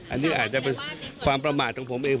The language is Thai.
อันนี้อาจจะเป็นความประมาทของผมเอง